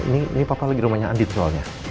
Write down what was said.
ini papa lagi rumahnya andin soalnya